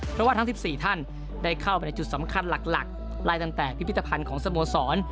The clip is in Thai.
เพราะว่าทั้ง๑๔ท่านได้เข้าไปในจุดสำคัญหลักไล่ตั้งแต่พิพิธภัณฑ์ของสโมสร